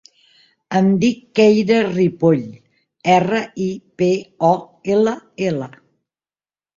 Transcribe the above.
Em dic Keira Ripoll: erra, i, pe, o, ela, ela.